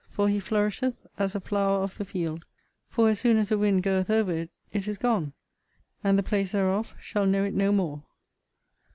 For he flourisheth as a flower of the field: for, as soon as the wind goeth over it, it is gone; and the place thereof shall know it no more.